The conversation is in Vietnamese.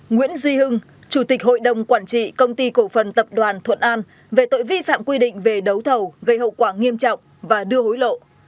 nguyễn duy hưng chủ tịch hội đồng quản trị công ty cổ phần tập đoàn thuận an về tội vi phạm quy định về đấu thầu gây hậu quả nghiêm trọng và đưa hối lộ